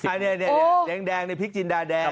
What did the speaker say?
อันนี้แดงในพริกจินดาแดง